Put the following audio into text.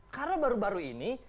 karena baru baru ini